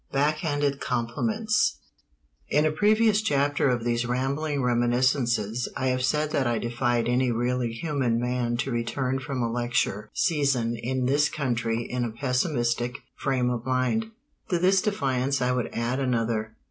VI BACK HANDED COMPLIMENTS In a previous chapter of these rambling reminiscences I have said that I defied any really human man to return from a lecture season in this country in a pessimistic frame of mind. To this defiance I would add another.